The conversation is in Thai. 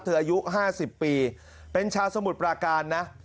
อายุ๕๐ปีเป็นชาวสมุทรปราการนะ